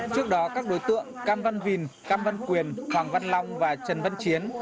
trước đó các đối tượng cam văn vìn cam văn quyền hoàng văn long và trần văn chiến